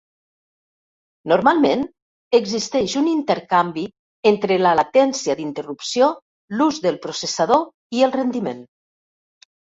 Normalment, existeix un intercanvi entre la latència d'interrupció, l'ús del processador i el rendiment.